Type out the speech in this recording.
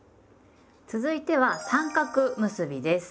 続いては「三角結び」です。